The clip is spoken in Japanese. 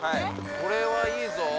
これはいいぞ。